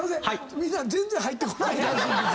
みんな全然入ってこないらしいんですよ。